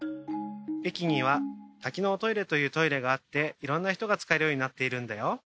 駅には多機能トイレというトイレがあっていろんな人が使えるようになっているんだよ。